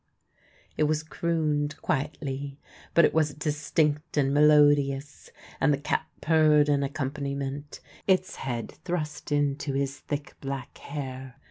" It was crooned quietly, but it was distinct and melo dious, and the cat purred an accompaniment, its head thrust into his thick black hair.